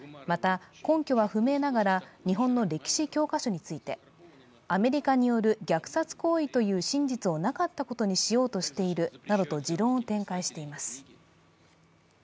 また根拠は不明ながら日本の歴史教科書についてアメリカによる虐殺行為という真実をなかったことにしようとしていると持論を展開しています。